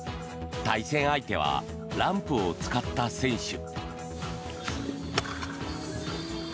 対戦相手はランプを使った選手。